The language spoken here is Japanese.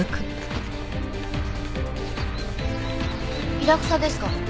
イラクサですか？